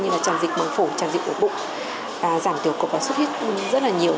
như là tràn dịch bằng phổ tràn dịch bởi bụng giảm tiểu cục và xuất huyết rất là nhiều